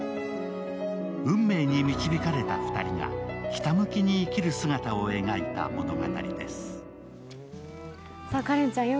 運命に導かれた２人がひたむきに生きる姿を描いた物語です。